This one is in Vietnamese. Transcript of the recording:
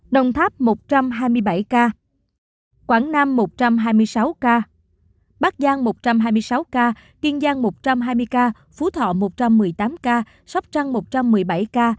đồng tháp một trăm hai mươi bảy ca quảng nam một trăm hai mươi sáu ca bắc giang một trăm hai mươi sáu ca kiên giang một trăm hai mươi ca phú thọ một trăm một mươi tám ca sóc trăng một trăm một mươi bảy ca